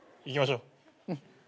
行きましょう。